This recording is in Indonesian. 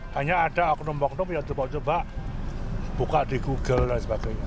hanya ada oknum oknum ya coba coba buka di google dan sebagainya